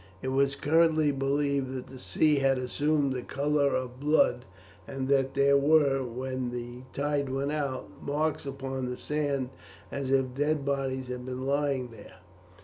It was currently believed that the sea had assumed the colour of blood, and that there were, when the tide went out, marks upon the sand as if dead bodies had been lying there.